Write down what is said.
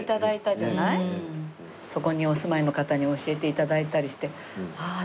そこにお住まいの方に教えて頂いたりしてああ